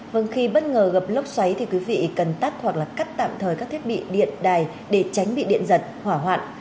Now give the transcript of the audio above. vâng khi bất ngờ gặp lốc xoáy thì quý vị cần tắt hoặc là cắt tạm thời các thiết bị điện đài để tránh bị điện giật hỏa hoạn